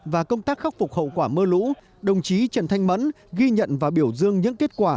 và công tác khắc phục hậu quả mưa lũ đồng chí trần thanh mẫn ghi nhận và biểu dương những kết quả